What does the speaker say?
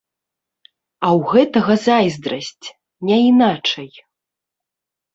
А ў гэтага зайздрасць, не іначай.